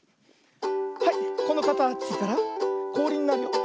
はいこのかたちからこおりになるよ。